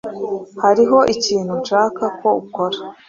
Hariho ikintu nshaka ko ukora.